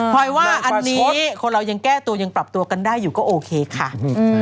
พอยว่าอันนี้คนเรายังแก้ตัวยังปรับตัวกันได้อยู่ก็โอเคค่ะ